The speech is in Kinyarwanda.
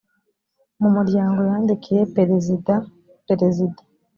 mumuryango yandikiye perezida perezida